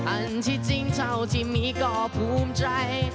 อันที่จริงเท่าที่มีก็ภูมิใจ